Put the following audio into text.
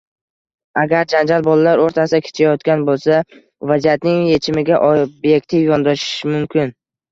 Agar janjal bolalar o‘rtasida kechayotgan bo‘lsa, vaziyatning yechimiga obyektiv yondoshish muhim.